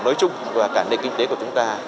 nói chung và cả nền kinh tế của chúng ta